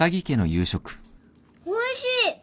おいしい。